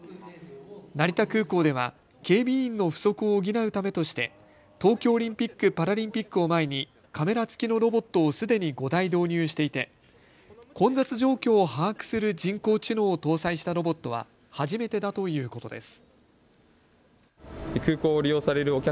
成田空港では警備員の不足を補うためとして東京オリンピック・パラリンピックを前にカメラ付きのロボットをすでに５台導入していて混雑状況を把握する人工知能を搭載したロボットは初めてだということです。